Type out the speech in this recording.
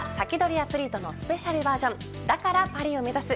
アツリートのスペシャルバージョンだからパリを目指す！